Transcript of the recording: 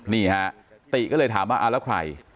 นี่ฮะติก็เลยถามว่าแล้วใคร